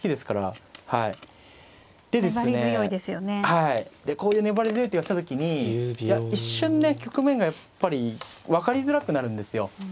はいでこういう粘り強い手が来た時に一瞬ね局面がやっぱり分かりづらくなるんですよ。